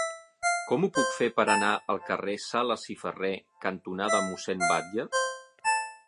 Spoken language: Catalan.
Com ho puc fer per anar al carrer Sales i Ferré cantonada Mossèn Batlle?